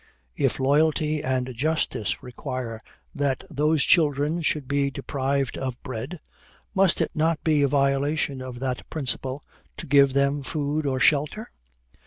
If loyalty and justice require that those children should be deprived of bread, must it not be a violation of that principle to give them food or shelter?